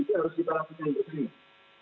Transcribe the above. itu harus diperhatikan bersama